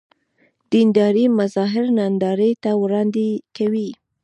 دیندارۍ مظاهر نندارې ته وړاندې کوي.